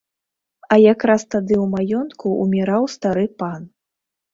А якраз тады ў маёнтку ўміраў стары пан.